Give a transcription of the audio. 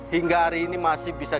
hingga hari ini masih bisa